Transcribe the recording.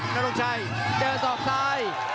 นาตรงชัยเดินส่องซ้าย